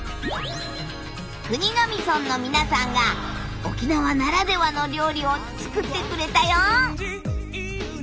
国頭村の皆さんが沖縄ならではの料理を作ってくれたよ！